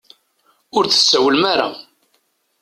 Ur d-tsawlem ara.